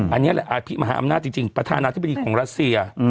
อันนี้แหละอภิมหาอำนาจจริงประธานาธิบดีของรัสเซีย